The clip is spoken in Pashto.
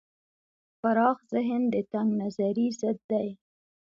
پراخ ذهن د تنگ نظرۍ ضد دی.